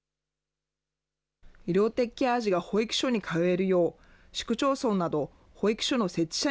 医療的ケア児が保育所に通えるよう、市区町村など保育所の設置者